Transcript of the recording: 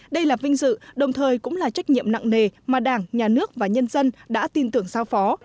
đây là vinh dự đồng thời cũng là trách nhiệm nặng nề mà đảng nhà nước và nhân dân đã tin tưởng sao phó